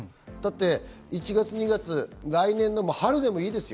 １月、２月、来年の春でもいいですよ。